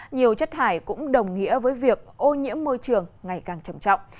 nhiều chất thải cũng đồng nghĩa với việc ô nhiễm môi trường ngày càng trầm trọng